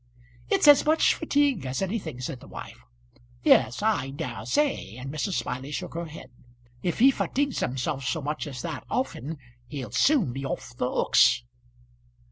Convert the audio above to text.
"It's as much fatigue as anything," said the wife. "Yes, I dare say;" and Mrs. Smiley shook her head. "If he fatigues himself so much as that often he'll soon be off the hooks."